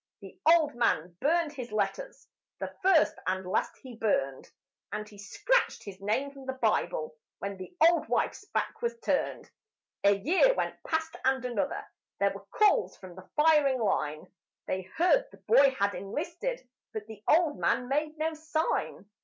The old man burned his letters, the first and last he burned, And he scratched his name from the Bible when the old wife's back was turned. A year went past and another. There were calls from the firing line; They heard the boy had enlisted, but the old man made no sign.